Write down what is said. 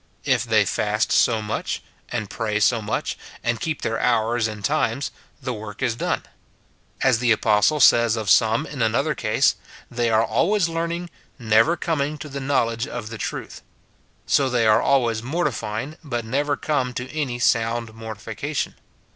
If they fast so much, and pray so much, and keep their hours and times, the work is done. As the apostle says of some in another case, " They are always learning, never coming to the knowledge of the truth;" so they are always mortifying, but never come to any sound mortification.